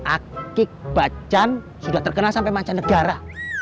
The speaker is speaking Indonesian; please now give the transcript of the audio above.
akik bacan sudah terkenal sampai mancanegara